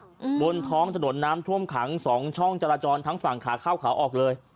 บนท้องถนนน้ำท่วมขังสองช่องจราจรทั้งฝั่งขาเข้าขาออกเลย